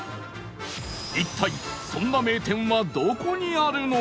一体そんな名店はどこにあるのか？